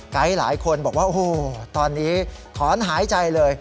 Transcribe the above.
หลายคนบอกว่าโอ้โหตอนนี้ถอนหายใจเลย